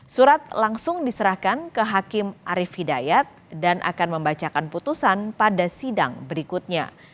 surat langsung diserahkan ke hakim arief hidayat dan akan membacakan putusan pada sidang berikutnya